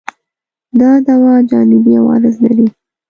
دا دوا جانبي عوارض لري؟